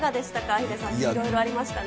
ヒデさん、いろいろありましたね。